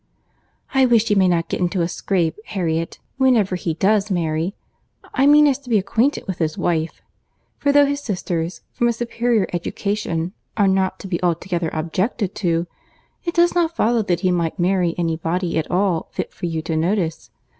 "I wish you may not get into a scrape, Harriet, whenever he does marry;—I mean, as to being acquainted with his wife—for though his sisters, from a superior education, are not to be altogether objected to, it does not follow that he might marry any body at all fit for you to notice.